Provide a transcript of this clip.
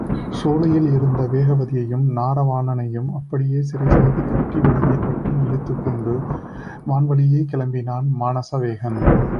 சோலையில் இருந்த வேகவதியையும் நரவாணனையும் அப்படியே சிறைசெய்து கட்டி வலியப் பற்றி இழுத்துக்கொண்டு வான்வழியாக மேலே கிளம்பினான் மானசவேகன்.